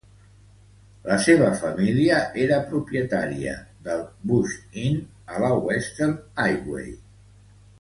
La seva família era propietària del Bush Inn a la Western Highway.